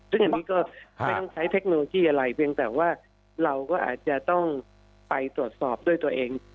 ซึ่งอันนี้ก็ไม่ต้องใช้เทคโนโลยีอะไรเพียงแต่ว่าเราก็อาจจะต้องไปตรวจสอบด้วยตัวเอง